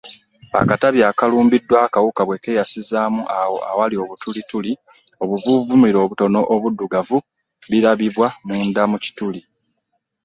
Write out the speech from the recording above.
Akatabi akalumbiddwa akawuka bwe keeyasizaamu awo awali obutulituli, obuvuuvuumira obutono obuddugavu birabibwa munda mu kituli.